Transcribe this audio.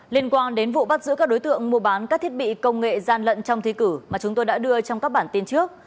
liên quan đến vụ bắt giữ các đối tượng mua bán các thiết bị công nghệ gian lận trong thi cử mà chúng tôi đã đưa trong các bản tin trước